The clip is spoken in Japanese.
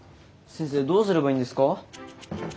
先生どうすればいいんですか？